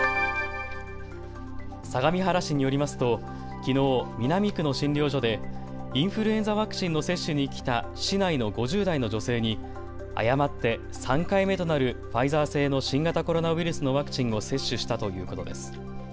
相模原市によりますときのう南区の診療所でインフルエンザワクチンの接種に来た市内の５０代の女性に誤って３回目となるファイザー製の新型コロナウイルスのワクチンを接種したということです。